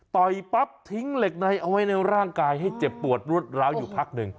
ปั๊บทิ้งเหล็กในเอาไว้ในร่างกายให้เจ็บปวดรวดร้าวอยู่พักหนึ่ง